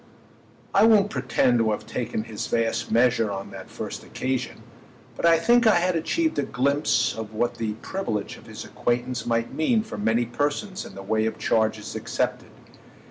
I won't pretend to have taken his vast measure on that first occasion, but I think I had achieved a glimpse of what the privilege of his acquaintance might mean for many persons in the way of charges accepted.